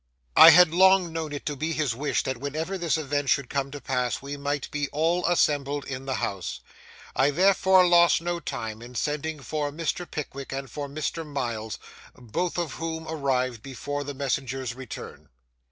I had long known it to be his wish that whenever this event should come to pass we might be all assembled in the house. I therefore lost no time in sending for Mr. Pickwick and for Mr. Miles, both of whom arrived before the messenger's return.